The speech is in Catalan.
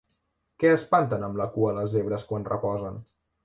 Què espanten amb la cua les zebres quan reposen?